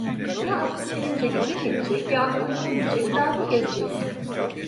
Ya aklın erince gücün yetecek, ya aklın ermeyecek dağda gezeceksin!